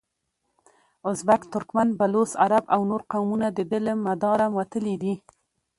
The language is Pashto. ازبک، ترکمن، بلوڅ، عرب او نور قومونه دده له مداره وتلي دي.